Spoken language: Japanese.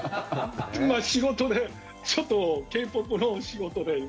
仕事でちょっと、Ｋ−ＰＯＰの仕事で。